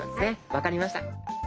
分かりました。